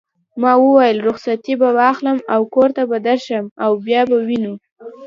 ما وویل: رخصتې به واخلم او کور ته به درشم او بیا به وینو.